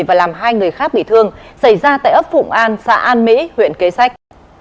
và làm hai người khác bị thương xảy ra tại ấp phụng an xã an mỹ huyện kế sách